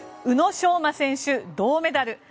宇野昌磨選手、銅メダル。